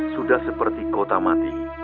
sudah seperti kota mati